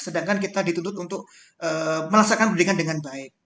sedangkan kita dituntut untuk melaksanakan pendidikan dengan baik